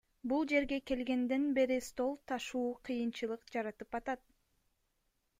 Бул жерге келгенден бери стол ташуу кыйынчылык жаратып атат.